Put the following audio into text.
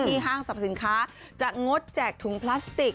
ห้างสรรพสินค้าจะงดแจกถุงพลาสติก